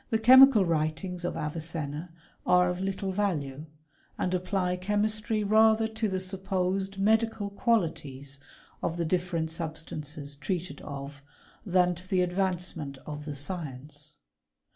The chemical writings of Avicenna are of little value, and apply chemistry rather to the supposed medical qualities of the different substances treated of, than to the advancement of the science.